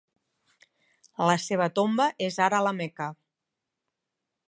La seva tomba és ara a la Meca.